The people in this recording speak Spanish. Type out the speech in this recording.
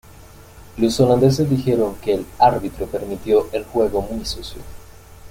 Los holandeses dijeron que el árbitro permitió el juego muy sucio.